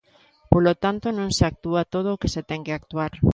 Polo tanto, non se actúa todo o que se ten que actuar.